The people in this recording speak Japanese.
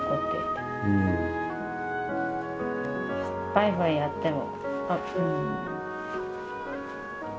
バイバイやっても。